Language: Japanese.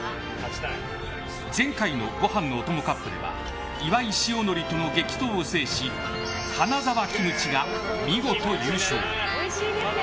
前回のご飯のお供杯では岩井塩のりとの激闘を制し花澤キムチが見事優勝。